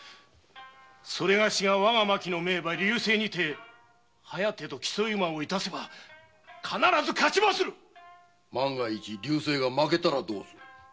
それがしが我が牧の名馬「流星」にて「疾風」と競い馬を致せば必ず勝ちまする万が一「流星」が負けたらどうする。